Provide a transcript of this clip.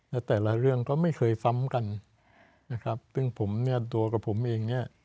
และแต่ละเรื่องก็ไม่เคยซ้ำกันนะครับซึ่งผมเนี่ยตัวกับผมเองเนี่ย